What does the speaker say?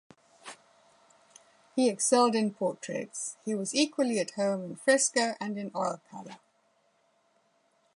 He excelled in portraits; he was equally at home in fresco and in oil-color.